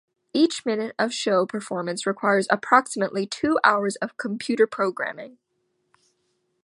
Each minute of show performance requires approximately two hours of computer programming.